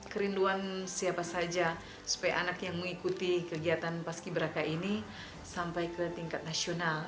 kerinduan siapa saja supaya anak yang mengikuti kegiatan paski beraka ini sampai ke tingkat nasional